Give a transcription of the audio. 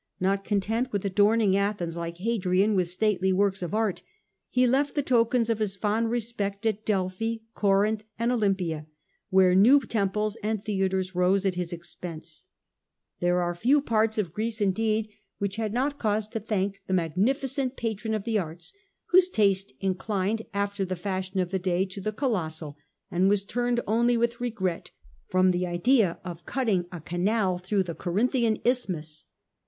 Not content with adorning Athens, like Hadrian, with stately works of art, he left the tokens of his fond respect at Delphi, Corinth, and Olympia, where new temples and theatres rose at his expense. There were few parts oii 1 88 TJu Age of the Antonines. cm. vni, Greece, indeed, which had not cause to thank the magni ficent patron of the arts, whose taste inclined, after the fashion of the day, to the colossal, and was turned only with regret from the idea of cutting a canal through the Corinthian Isthmus.